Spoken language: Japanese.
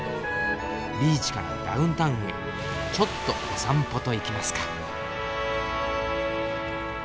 ビーチからダウンタウンへちょっとお散歩といきますか。